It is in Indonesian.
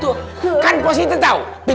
udah mas jaki satuino